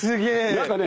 何かね。